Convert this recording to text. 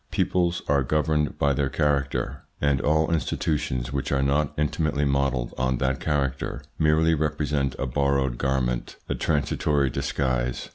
Peoples are governed by their character, and all institutions which are not intimately modelled on that character merely represent a borrowed garment, a transitory disguise.